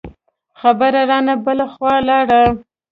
خبره رانه بله خوا لاړه.